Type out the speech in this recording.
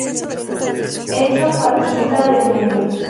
Edson Batista de Mello.